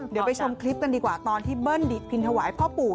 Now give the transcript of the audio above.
เดี๋ยวไปชมคลิปกันดีกว่าตอนที่เบิ้ลดพินถวายพ่อปู่